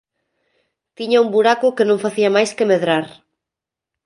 Tiña un buraco que non facía máis que medrar